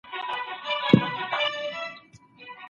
د هري وینا مانا باید په روښانه ډول بیان سي.